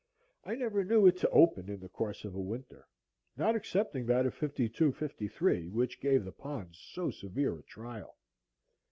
I never knew it to open in the course of a winter, not excepting that of '52–3, which gave the ponds so severe a trial.